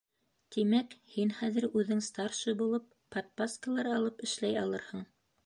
— Тимәк, һин хәҙер үҙең, старший булып, подпаскалар алып эшләй алырһың?